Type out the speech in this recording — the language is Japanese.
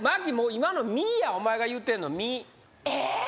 今の「ミ」やお前が言うてんの「ミ」ええー？